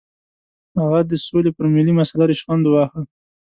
هغه د سولې پر ملي مسله ریشخند وواهه.